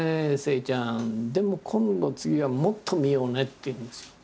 でも今度次はもっと見ようね」って言うんですよ。